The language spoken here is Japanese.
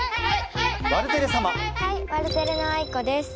ワルテレのあいこです。